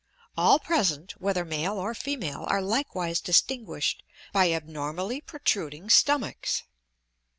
All present, whether male or female, are likewise distinguished by abnormally protruding stomachs.